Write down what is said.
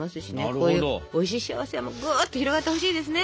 こういうおいしい幸せはぐっと広がってほしいですね。